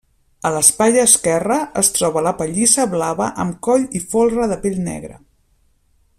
A l'espatlla esquerra es troba la pellissa blava amb coll i folre de pell negra.